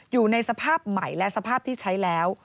อยู่ในสภาพใหม่และสภาพที่ใช้แล้ว